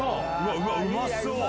うまそう！